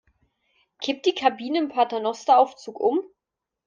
Kippt die Kabine im Paternosteraufzug um?